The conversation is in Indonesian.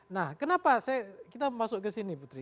nah kenapa kita masuk ke sini putri